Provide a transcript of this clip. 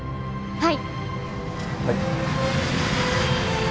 はい。